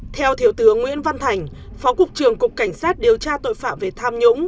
theo thiểu tướng nguyễn văn thành phó cục trường cục cảnh sát điều tra tội phạm về tham nhũng